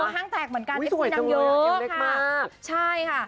ห้างแตกเหมือนกันนะอุ้ยสวยจังเลยยังเล็กมากใช่ค่ะ